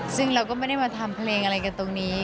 ซึ่งเราก็ไม่ได้มาทำเพลงอะไรกันตรงนี้